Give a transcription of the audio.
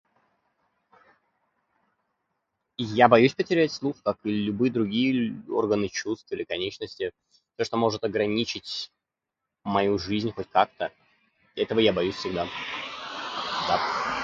Я боюсь потерять слух, как и любые другие лю- органы чувств или конечности. То, что может ограничить мою жизнь хоть как-то. Этого я боюсь всегда. Да.